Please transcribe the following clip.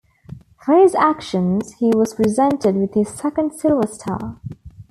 For his actions, he was presented with his second Silver Star.